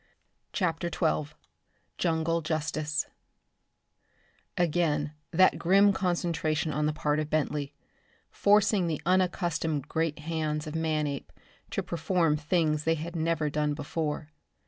CHAPTER XII Jungle Justice Again that grim concentration on the part of Bentley, forcing the unaccustomed great hands of Manape to perform things they had never done before.